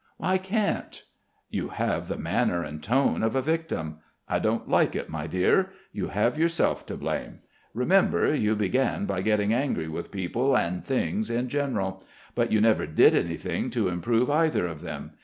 "I can't." "You have the manner and tone of a victim. I don't like it, my dear. You have yourself to blame. Remember, you began by getting angry with people and things in general; but you never did anything to improve either of them.